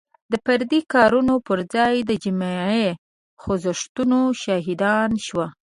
د فردي کارونو پر ځای د جمعي خوځښتونو شاهدان شو.